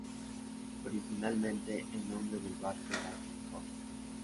Originalmente el nombre del barco era "Concord".